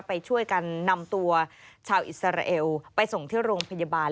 ไปช่วยกันนำตัวชาวอิสราเอลไปส่งที่โรงพยาบาล